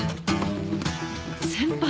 先輩。